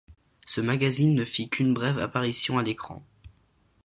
Ce magazine ne fit qu’une brève apparition à l’écran.